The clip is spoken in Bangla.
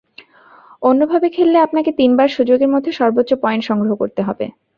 অন্যভাবে খেললে আপনাকে তিনবার সুযোগের মধ্যে সর্বোচ্চ পয়েন্ট সংগ্রহ করতে হবে।